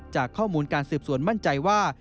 จากข้อมูลการสืบสวนมั่นใจว่า